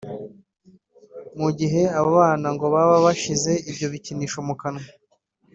Mu gihe abo bana ngo baba bashize ibyo bikinisho mu kanwa